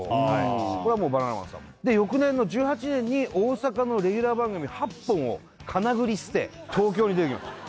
これはもうバナナマンさんもで翌年の２０１８年に大阪のレギュラー番組８本をかなぐり捨て東京に出てきます